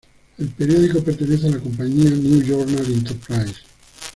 El periódico pertenece a la compañía "New Journal Enterprises".